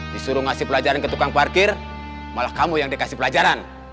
disuruh ngasih pelajaran ke tukang parkir malah kamu yang dikasih pelajaran